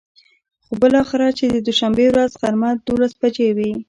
خو بلااخره چې د دوشنبې ورځ غرمه ،دولس بچې وې.